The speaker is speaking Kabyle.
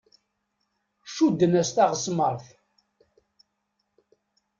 Cudden-as taɣesmart.